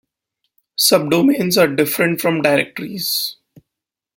Subdomains are different from directories.